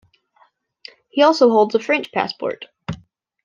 He also holds a French passport.